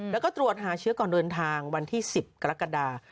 แล้วก็ตรวจหาเชื้อก่อนเดินทางวันที่๑๐กรกฎา